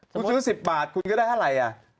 คุณซื้อ๑๐บาทคุณก็ได้อะไร